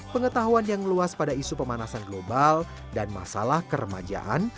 pengetahuan yang meluas pada isu pemanasan global dan masalah keremajaan